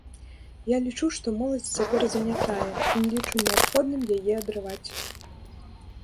Я лічу, што моладзь цяпер занятая, і не лічу неабходным яе адрываць.